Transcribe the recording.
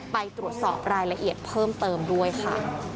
ไปตรวจสอบรายละเอียดเพิ่มเติมด้วยค่ะ